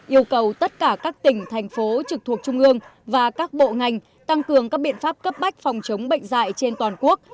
yêu cầu tất cả các tỉnh thành phố trực thuộc trung ương và các bộ ngành tăng cường các biện pháp cấp bách phòng chống bệnh dạy trên toàn quốc